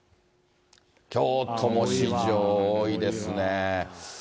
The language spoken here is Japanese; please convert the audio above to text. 京都も四条、多いですね。